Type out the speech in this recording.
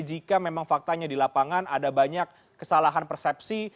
jika memang faktanya di lapangan ada banyak kesalahan persepsi